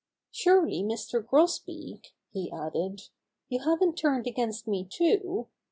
"Surely, Mr. Grosbeak," he added, "you haven't turned against me, too!